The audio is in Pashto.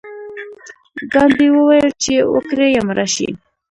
ګاندي وویل چې وکړئ یا مړه شئ.